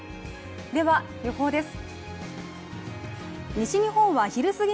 では予報です。